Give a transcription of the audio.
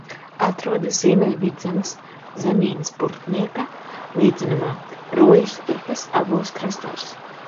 Atrodas Ziemeļvidzemes zemienes Burtnieka līdzenumā, Rūjas upes abos krastos.